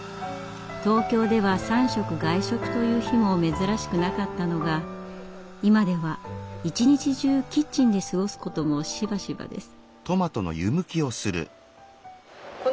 東京では３食外食という日も珍しくなかったのが今では一日中キッチンで過ごすこともしばしばです。